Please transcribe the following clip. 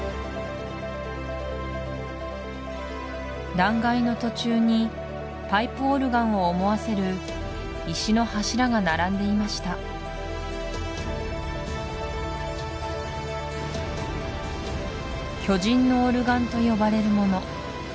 断崖の途中にパイプオルガンを思わせる石の柱が並んでいました巨人のオルガンと呼ばれるもの